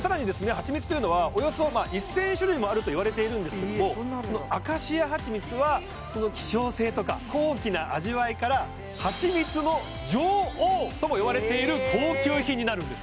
蜂蜜というのはおよそ１０００種類もあるといわれているんですけどもアカシア蜂蜜はその希少性とか高貴な味わいから「蜂蜜の女王」とも呼ばれている高級品になるんです